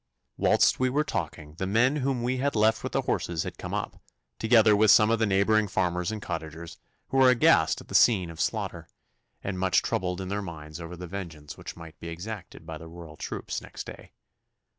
Whilst we were talking the men whom we had left with the horses had come up, together with some of the neighbouring farmers and cottagers, who were aghast at the scene of slaughter, and much troubled in their minds over the vengeance which might be exacted by the Royal troops next day.